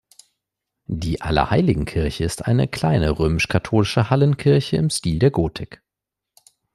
Die Allerheiligenkirche ist eine kleine römisch-katholische Hallenkirche im Stil der Gotik.